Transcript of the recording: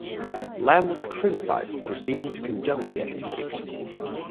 Lamb was criticised for seeming to condone the activity.